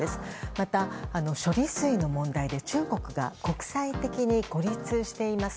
また、処理水の問題で中国が国際的に孤立しています。